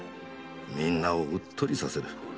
みんなをうっとりさせる。